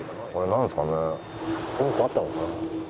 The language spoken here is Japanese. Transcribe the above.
なんかあったのかな？